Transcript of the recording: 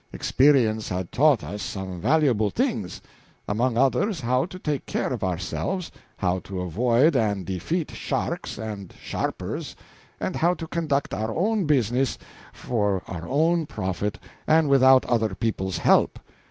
Experience had taught us some valuable things; among others, how to take care of ourselves, how to avoid and defeat sharks and sharpers, and how to conduct our own business for our own profit and without other people's help.